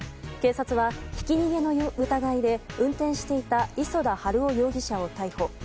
警察はひき逃げの疑いで運転していた磯田晴男容疑者を逮捕。